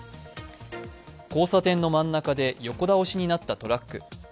交差点の真ん中で横倒しになったトラック。